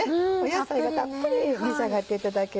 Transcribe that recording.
野菜がたっぷり召し上がっていただける。